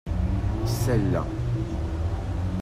Celles-là.